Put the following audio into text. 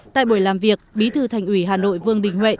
tại buổi làm việc bí thư thành ủy hà nội vương đình huệ